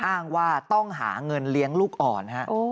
อ้างว่าต้องหาเงินเลี้ยงลูกอ่อนฮะ